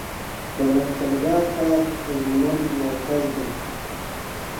د لښکرګاه ښار د هلمند مرکز دی